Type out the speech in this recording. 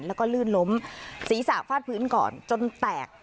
แล้วก็ลื่นล้มศีรษะฟาดพื้นก่อนจนแตก